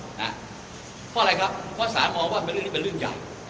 เพราะอะไรครับเพราะสารมองว่าเรื่องนี้เป็นเรื่องใหญ่